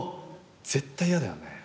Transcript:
絶対やだよね？